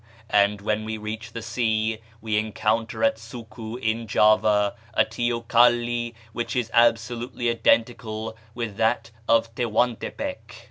And when we reach the sea we encounter at Suku, in Java, a teocalli which is absolutely identical with that of Tehuantepec.